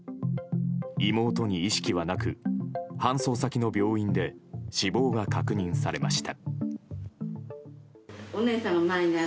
妹に意識はなく、搬送先の病院で死亡が確認されました。